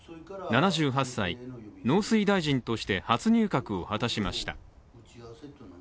７８歳、農水大臣として初入閣を果たしました。